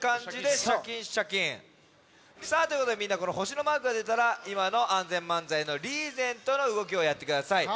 さあということでみんなこのほしのマークがでたらいまのＡＮＺＥＮ漫才のリーゼントのうごきをやってください。